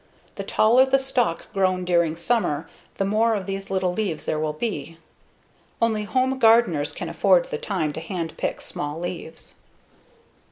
The taller the stalk grown during summer, the more of these little leaves there will be. Only home gardeners can afford the time to hand pick small leaves.